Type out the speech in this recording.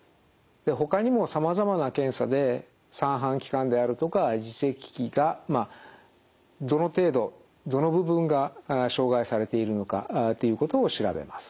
ほかにもさまざまな検査で三半規管であるとか耳石器がどの程度どの部分が障害されているのかということを調べます。